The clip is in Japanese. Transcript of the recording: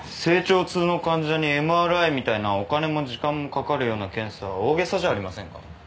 成長痛の患者にＭＲＩみたいなお金も時間もかかるような検査大げさじゃありませんか？